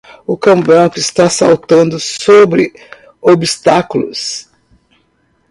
O cão branco está saltando sobre obstáculos.